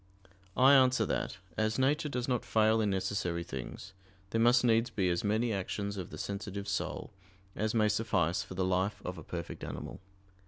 I answer that, As nature does not fail in necessary things, there must needs be as many actions of the sensitive soul as may suffice for the life of a perfect animal.